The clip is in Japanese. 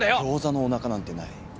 ギョーザのおなかなんてない。